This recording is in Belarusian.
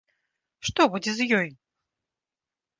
Што будзе з ёй?